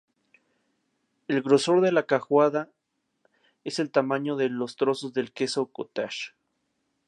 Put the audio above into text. El grosor de la cuajada es el tamaño de los trozos del queso "cottage".